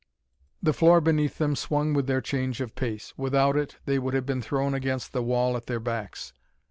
The floor beneath them swung with their change of pace. Without it, they would have been thrown against the wall at their backs.